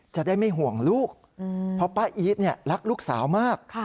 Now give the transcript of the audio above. จะได้ไม่ห่วงลูกเพราะป้าอีทรักลูกสาวมาก